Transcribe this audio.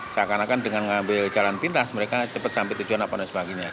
seakan akan dengan mengambil jalan pintas mereka cepat sampai tujuan apa dan sebagainya